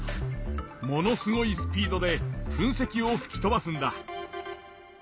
ものすごいスピードで噴石をふき飛ばすんだ。